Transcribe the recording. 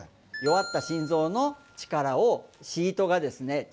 弱った心臓の力をシートがですね